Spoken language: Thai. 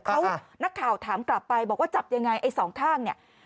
เขานักข่าวถามกลับไปบอกว่าจับยังไงไอ้สองข้างเนี่ย